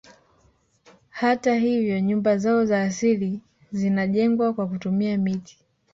Hata hivyo nyumba zao za asili zinajengwa kwa kutumia miti